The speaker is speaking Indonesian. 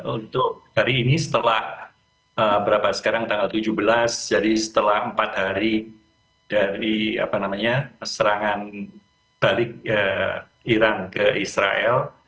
untuk hari ini setelah berapa sekarang tanggal tujuh belas jadi setelah empat hari dari serangan balik iran ke israel